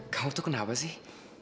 kamu tuh kenapa sih